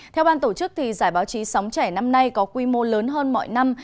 theo ban tổ chức thì giải báo chí sống trẻ năm nay có quy mô lớn hơn mọi năm